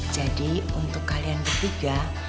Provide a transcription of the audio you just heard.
jadi untuk kalian bertiga